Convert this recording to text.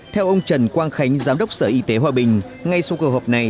theo ông trần quang khánh giám đốc sở y tế hòa bình ngay sau cuộc họp này